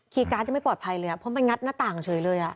คีย์การจะไม่ปลอดภัยเลยเพราะมันงัดหน้าต่างเฉยเลย